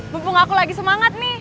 mumpung aku lagi semangat nih